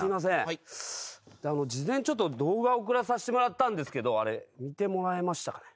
事前にちょっと動画送らさせてもらったんですけどあれ見てもらえましたかね？